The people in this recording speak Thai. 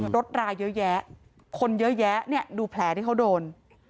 รถรายเยอะแยะคนเยอะแยะดูแผลที่เขาโดน